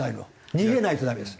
逃げないとダメです。